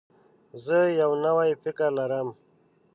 زه یو نوی فکر لرم.